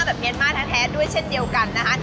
เมียนมาร์แท้ด้วยเช่นเดียวกันนะคะ